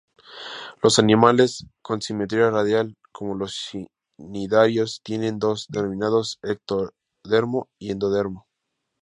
Los animales con simetría radial, como los cnidarios, tienen dos, denominadas ectodermo y endodermo.